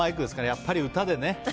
やっぱり歌でね。